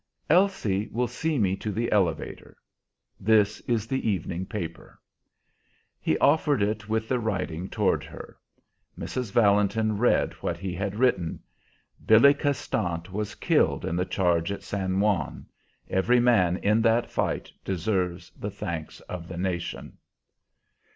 "Elsie will see me to the elevator. This is the evening paper." He offered it with the writing toward her. Mrs. Valentin read what he had written: "Billy Castant was killed in the charge at San Juan. Every man in that fight deserves the thanks of the nation."